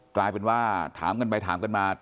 กลายเป็นว่าถามกันไปถามกันมา